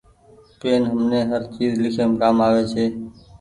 پين همني هر چيز ليکيم ڪآم آوي ڇي۔